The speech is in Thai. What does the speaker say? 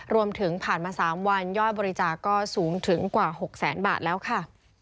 รวมถึงผ่านมา๓วันยอดบริจาคก็สูงถึงกว่า๖แสนบาทแล้วค่ะ